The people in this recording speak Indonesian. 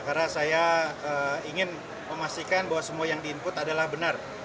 karena saya ingin memastikan bahwa semua yang di input adalah benar